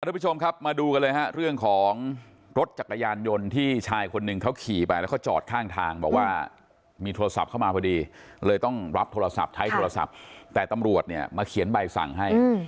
ทุกผู้ชมครับมาดูกันเลยฮะเรื่องของรถจักรยานยนต์ที่ชายคนหนึ่งเขาขี่ไปแล้วเขาจอดข้างทางบอกว่ามีโทรศัพท์เข้ามาพอดีเลยต้องรับโทรศัพท์ใช้โทรศัพท์แต่ตำรวจเนี่ยมาเขียนใบสั่งให้